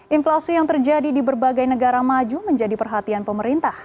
inflasi yang terjadi di berbagai negara maju menjadi perhatian pemerintah